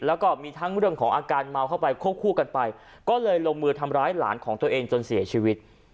แล้วก็มีทั้งเรื่องของอาการเมาเข้าไปควบคู่กันไปก็เลยลงมือทำร้ายหลานของตัวเองจนเสียชีวิต